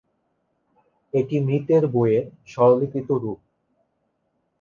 এটি মৃতের বইয়ের সরলীকৃত রূপ।